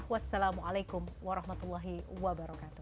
wassalamualaikum warahmatullahi wabarakatuh